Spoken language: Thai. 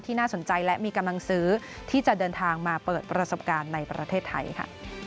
น่าสนใจและมีกำลังซื้อที่จะเดินทางมาเปิดประสบการณ์ในประเทศไทยค่ะ